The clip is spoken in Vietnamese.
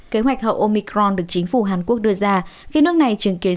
kế hoạch hậu omicron được chính phủ hàn quốc đưa ra khi nước này chứng kiến